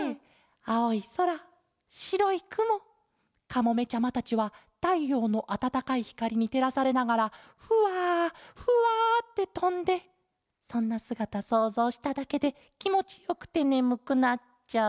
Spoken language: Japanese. あおいそらしろいくもカモメちゃまたちはたいようのあたたかいひかりにてらされながらふわふわってとんでそんなすがたそうぞうしただけできもちよくてねむくなっちゃう。